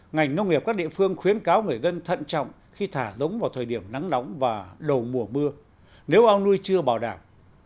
ngành nông nghiệp các địa phương khuyến cáo người dân thận trọng khi thả giống vào thời điểm nắng nóng và đầu mùa mưa nếu ao nuôi chưa bảo đảm